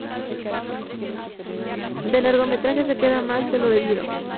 De largometraje, se queda más de lo debido".